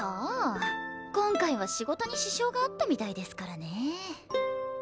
今回は仕事に支障があったみたいですからね。